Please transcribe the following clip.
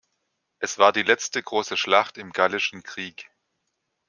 Es war die letzte große Schlacht im Gallischen Krieg.